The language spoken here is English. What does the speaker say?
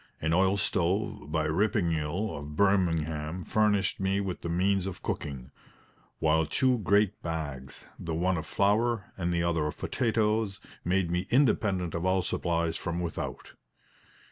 An oil stove by Rippingille of Birmingham furnished me with the means of cooking; while two great bags, the one of flour, and the other of potatoes, made me independent of all supplies from without.